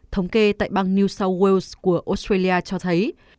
thống kê tại bang new south wales của australia cho thấy